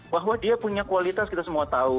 bahwa dia punya kualitas kita semua tahu